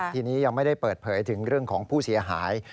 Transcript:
ทีนี้ยังไม่ได้เปิดเผยถึงเรื่องของผู้เสียหาย